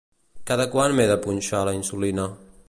Cada quant m'he de punxar la insulina?